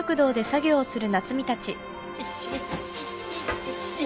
１２１２１２。